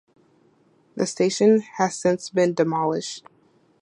The station has since been demolished.